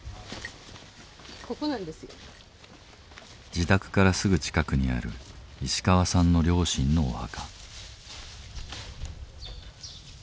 自宅からすぐ近くにある石川さんの両親のお墓。